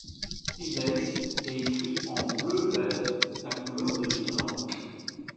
Stivell est écrit en bleu-vert, la couleur de l'Irlande.